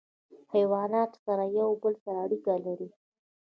حیوانات سره یو بل سره اړیکه لري.